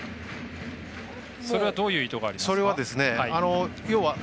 それはどういう意図がありますか？